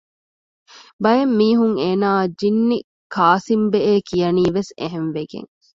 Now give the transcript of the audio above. ބައެއް މީހުން އޭނާއަށް ޖިންނި ކާސިމްބެއޭ ކިޔަނީވެސް އެހެންވެގެން